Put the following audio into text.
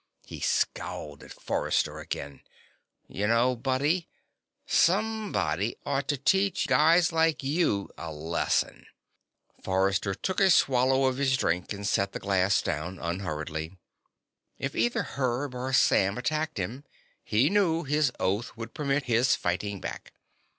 He scowled at Forrester again. "You know, buddy, somebody ought to teach guys like you a lesson." Forrester took a swallow of his drink and set the glass down unhurriedly. If either Herb or Sam attacked him, he knew his oath would permit his fighting back.